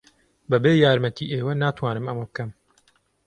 بەبێ یارمەتیی ئێوە ناتوانم ئەمە بکەم.